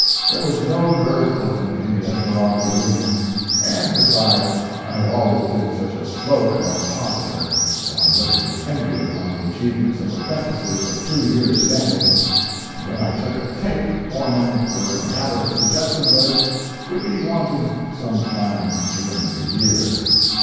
There was no berth open in the Esmeralda Union, and besides I had always been such a slow compositor that I looked with envy upon the achievements of apprentices of two years' standing; and when I took a "take," foremen were in the habit of suggesting that it would be wanted "some time during the year."